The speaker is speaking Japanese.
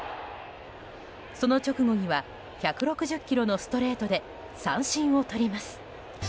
その直後には１６０キロのストレートで三振をとります。